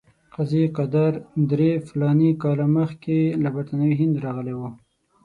قاضي قادر درې فلاني کاله مخکې له برټانوي هند راغلی وو.